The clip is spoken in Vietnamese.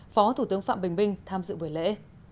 phó thủ tướng phạm bình minh tham dự buổi lễ